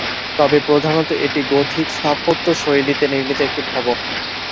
তবে প্রধানত এটি গোথিক স্থাপত্যশৈলীতে নির্মিত একটি ভবন।